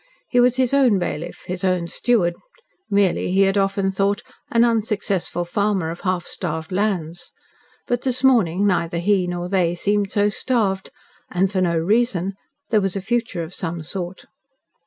He was his own bailiff, his own steward, merely, he had often thought, an unsuccessful farmer of half starved lands. But this morning neither he nor they seemed so starved, and for no reason there was a future of some sort.